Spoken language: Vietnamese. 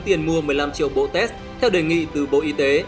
tiền mua một mươi năm triệu bộ test theo đề nghị từ bộ y tế